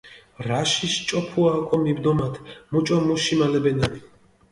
რაშიში ჭოფუა ოკო მიბდომათ მუჭო მუ შიმალებენანი.